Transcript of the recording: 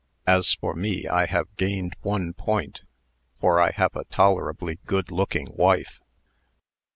As for me, I have gained one point, for I have a tolerably good looking wife."